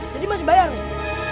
jadi masih bayar nih